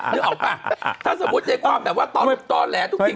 นึกออกป่ะถ้าสมมุติในความแบบว่าต่อแหลทุกสิ่ง